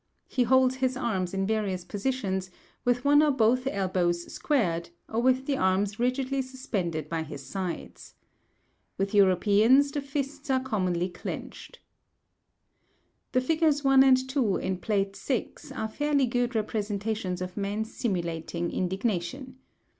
He holds his arms in various positions, with one or both elbows squared, or with the arms rigidly suspended by his sides. With Europeans the fists are commonly clenched. The figures 1 and 2 in Plate VI. are fairly good representations of men simulating indignation.